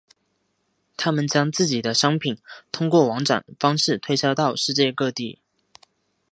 他们将自己的商品通过网展方式推销到世界各地。